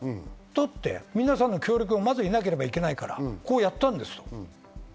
だって皆さんの協力をまず得なければいけないから、こうやったんですと。